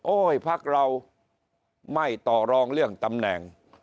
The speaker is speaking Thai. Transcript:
พักเราไม่ต่อรองเรื่องตำแหน่ง